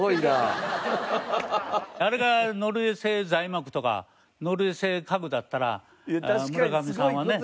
あれが『ノルウェー製材木』とか『ノルウェー製家具』だったら村上さんはね